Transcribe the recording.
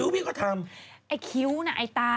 พี่ทำคิ้วพี่ก็ทำ